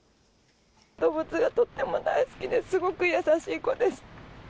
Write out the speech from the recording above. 動物がとっても大好きで、すごく優しい子です。